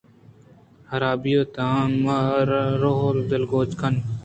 حرابی ءِ تُہم ءَ راولگوج کن